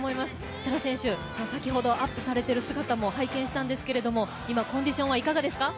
設楽選手、先ほどアップされている姿も拝見したんですけれども今、コンディションはいかがですか？